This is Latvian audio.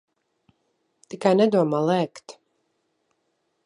Tikai nedomā lēkt.